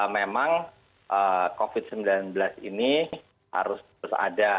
memang covid sembilan belas ini harus terus ada